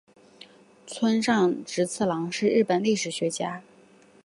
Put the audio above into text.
村上直次郎是日本历史学家。